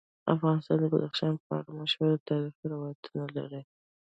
افغانستان د بدخشان په اړه مشهور تاریخی روایتونه لري.